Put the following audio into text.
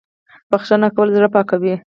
بخښنه کول زړه پاکوي